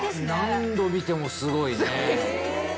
何度見てもすごいね。